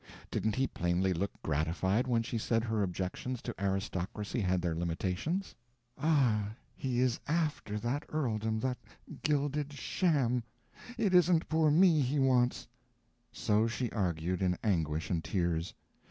Didn't he plainly look gratified when she said her objections to aristocracy had their limitations? Ah, he is after that earldom, that gilded sham—it isn't poor me he wants. So she argued, in anguish and tears.